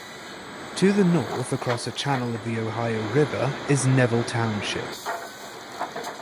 To the north, across a channel of the Ohio River, is Neville Township.